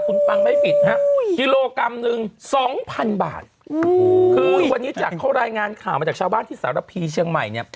คุณฟังไม่ผิดฮะกิโลกรัมหนึ่งสองพันบาทคือวันนี้จากเขารายงานข่าวมาจากชาวบ้านที่สารพีเชียงใหม่เนี่ย